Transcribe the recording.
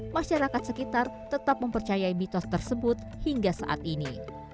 masyarakat sekitar tetap mempercayai mitos tersebut hingga saat ini